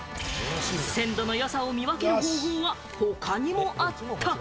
鮮度の良さを見分ける方法は他にもあった。